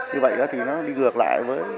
như vậy thì nó đi ngược lại